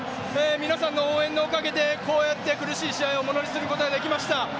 皆さんの応援のおかげでこうやって苦しい試合をものにすることができました。